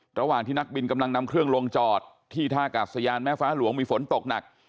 ระหว่างที่นักบินกำลังนำเครื่องลงจอดที่ท่ากาศยานแม่ฟ้าหลวงมีฝนตกหนัก